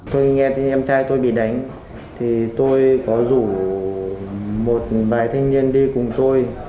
tôi nghe em trai tôi bị đánh tôi có rủ một bài thanh niên đi cùng tôi